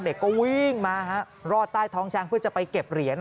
เด็กก็วิ่งมารอดใต้ท้องช้างเพื่อจะไปเก็บเหรียญ